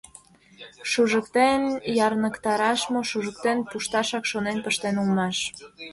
Шужыктен ярныктараш мо, шужыктен пушташак шонен пыштен улмаш.